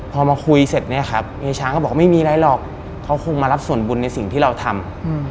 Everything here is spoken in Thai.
พอมาคุยเสร็จเนี่ยครับเฮช้างก็บอกไม่มีอะไรหรอกเขาคงมารับส่วนบุญในสิ่งที่เราทำ